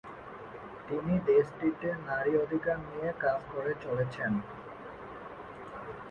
তিনি দেশটিতে নারী অধিকার নিয়ে কাজ করে চলেছেন।